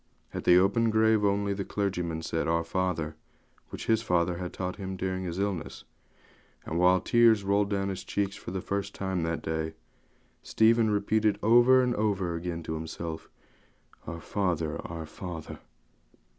At the open grave only, the clergyman said 'Our Father,' which his father had taught him during his illness; and while his tears rolled down his cheeks for the first time that day, Stephen repeated over and over again to himself, 'Our Father! our Father!'